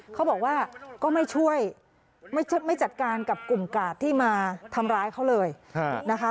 เขาบอกว่าก็ไม่ช่วยไม่จัดการกับกลุ่มกาดที่มาทำร้ายเขาเลยนะคะ